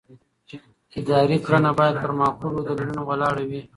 اداري کړنه باید پر معقولو دلیلونو ولاړه وي.